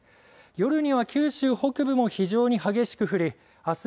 夜には九州北部も非常に激しく降りあす